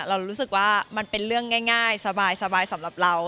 เรารู้สึกว่ามันเป็นเรื่องง่ายสบายสำหรับเรา